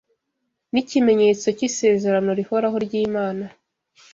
N’ ikimenyetso cy’ «isezerano rihoraho ry’Imana